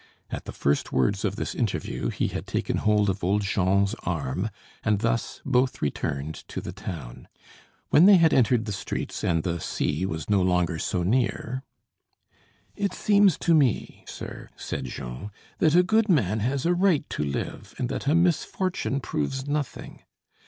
At the first words of this interview, he had taken hold of old Jean's arm, and thus both returned to the town. When they had entered the streets and the sea was no longer so near: "It seems to me, sir," said Jean, "that a good man has a right to live and that a misfortune proves nothing.